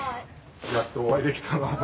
やっとお会いできたな。